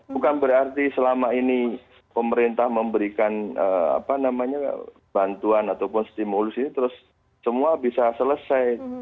bukan berarti selama ini pemerintah memberikan bantuan ataupun stimulus ini terus semua bisa selesai